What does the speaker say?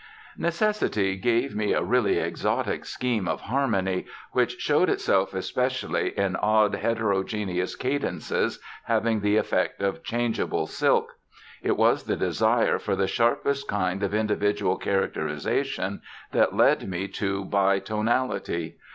"Necessity gave me a really exotic scheme of harmony, which, showed itself especially in odd, heterogeneous cadences having the effect of changeable silk. It was the desire for the sharpest kind of individual characterization that led me to bitonality.